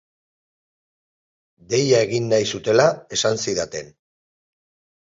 Deia egin nahi zutela esan zidaten.